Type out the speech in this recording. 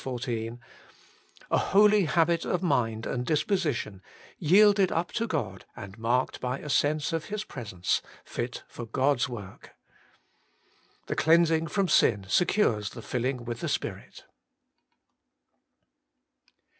14), a holy habit of mind and disposition, yielded up to God and marked by a sense of His presence, fit for God's work. The cleansing from sin secures the filling with the Spirit.